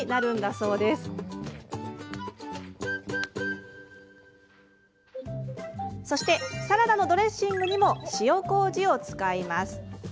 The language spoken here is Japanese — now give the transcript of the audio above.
そしてサラダのドレッシングにも塩こうじを使います。